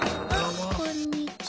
あこんにちは。